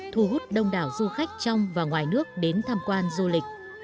thu hút đông đảo du khách trong và ngoài nước đến tham quan du lịch